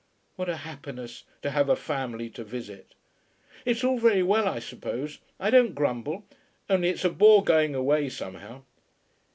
"What a happiness to have a family to visit!" "It's all very well, I suppose. I don't grumble. Only it's a bore going away, somehow."